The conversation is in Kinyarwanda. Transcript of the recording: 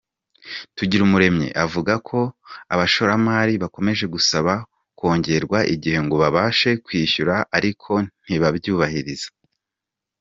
Tugirumuremyi avuga ko abashoramari bakomeje gusaba kongererwa igihe ngo babashe kwishyura ariko ntibabyubahirize.